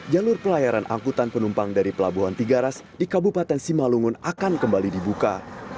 jalur pelayaran angkutan penumpang dari pelabuhan tiga ras di kabupaten simalungun akan kembali dibuka